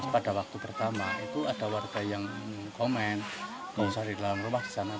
pada waktu pertama ada warga yang komen